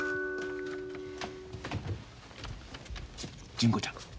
純子ちゃん。